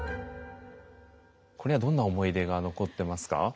これはどんな思い出が残ってますか？